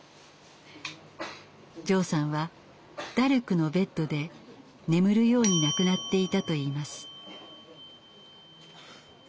ジョーさんはダルクのベッドで眠るように亡くなっていたといいます。